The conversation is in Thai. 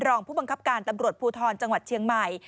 รองผู้บังคับการตำรวจภูทรจังหวัดเชียงใหม่